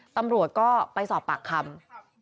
ตำรวจก็ไปสอบปากคำ